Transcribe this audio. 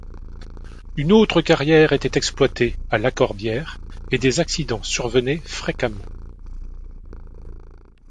Une autre carrière était exploitée à La Corbière et des accidents survenaient fréquemment.